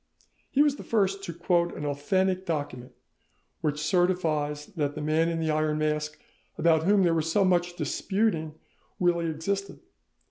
He was the first to quote an authentic document which certifies that the Man in the Iron Mask about whom there was so much disputing really existed.